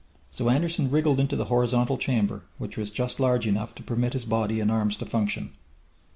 So Anderson wriggled into the horizontal chamber, which was just large enough to permit his body and arms to function.